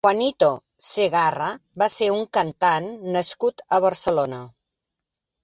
Juanito Segarra va ser un cantant nascut a Barcelona.